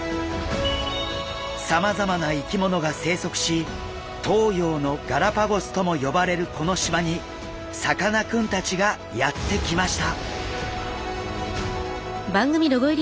さまざまな生き物が生息し東洋のガラパゴスとも呼ばれるこの島にさかなクンたちがやって来ました。